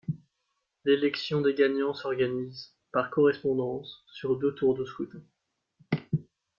L'élection des gagnants s'organise, par correspondance, sur deux tours de scrutin.